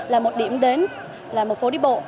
là một điểm đến là một phố đi bộ